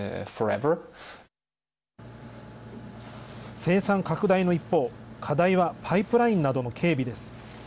生産拡大の一方課題はパイプラインなどの警備です。